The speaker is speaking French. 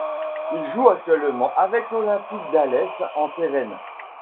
Il joue actuellement avec l'Olympique d'Alès en Cévennes.